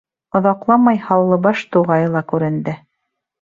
Оҙаҡламай Һаллыбаш туғайы ла күренде.